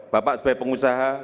bapak sebagai pengusaha